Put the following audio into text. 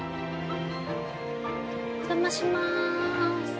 お邪魔します。